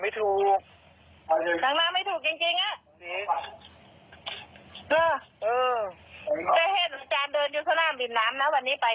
ไม่ได้ไป